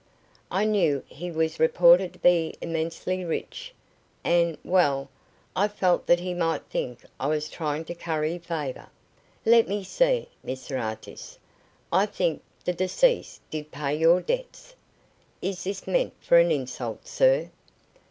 "I knew he was reported to be immensely rich, and well, I felt that he might think I was trying to curry favour." "Let me see, Mr Artis, I think the deceased did pay your debts?" "Is this meant for an insult, sir?"